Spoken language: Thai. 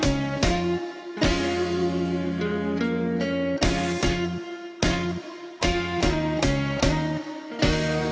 สามเพลงมาครับสู้ค่ะ